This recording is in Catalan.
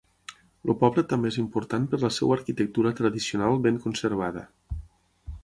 El poble també és important per la seva arquitectura tradicional ben conservada.